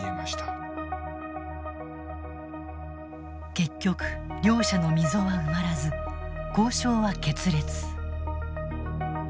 結局両者の溝は埋まらず交渉は決裂。